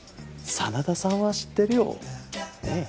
真田さんは知ってるよねえ？